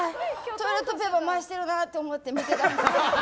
トイレットペーパー回してるなって思って見てたんで。